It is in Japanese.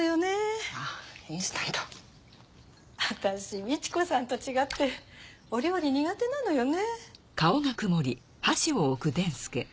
私みち子さんと違ってお料理苦手なのよね。